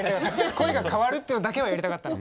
声が変わるっていうのだけはやりたかったの。